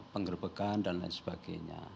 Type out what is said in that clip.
pengerbekan dan lain sebagainya